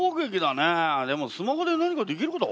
でもスマホで何かできることある？